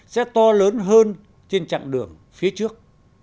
sẽ to lớn hơn trên chặng đường phía trước